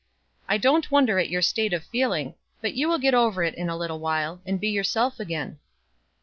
I don't wonder at your state of feeling, but you will get over it in a little while, and be yourself again."